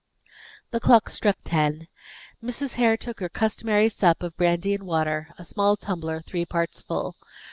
The clock struck ten. Mrs. Hare took her customary sup of brandy and water, a small tumbler three parts full.